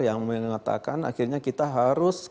yang mengatakan akhirnya kita akan mencari